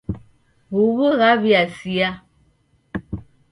Huw'u ghaw'iasia.